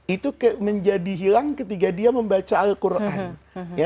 itu menjadi hilang ketika dia membaca al quran